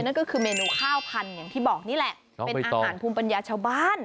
นั่นก็คือเมนูข้าวพันธุ์อย่างที่บอกนี่แหละเป็นอาหารภูมิปัญญาชาวบ้าน